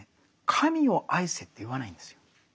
神を愛せと言わないんですよ。